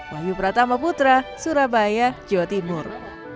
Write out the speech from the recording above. wahyu pratama putra surabaya jawa timur